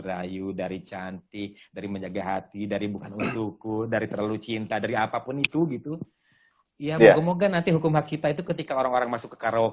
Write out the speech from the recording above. rayu dari cantik dari menjaga hati dari bukan untukku dari terlalu cinta dari apapun itu gitu